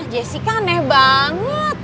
jessica aneh banget